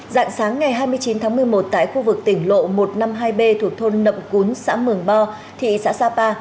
dạng sáng ngày hai mươi chín tháng một mươi một tại khu vực tỉnh lộ một trăm năm mươi hai b thuộc thôn nậm cún xã mường bo thị xã sapa